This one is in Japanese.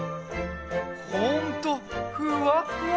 ほんとふわっふわ！